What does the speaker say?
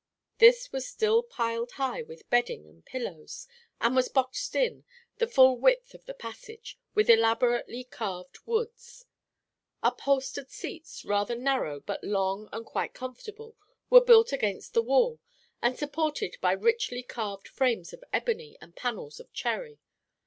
This was still piled high with bedding and pillows and was boxed in, the full width of the passage, with elaborately carved woods. Upholstered seats, rather narrow but long and quite comfortable, were built against the wall and supported by richly carved frames of ebony and panels of cherry.